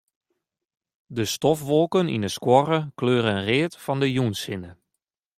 De stofwolken yn 'e skuorre kleuren read fan de jûnssinne.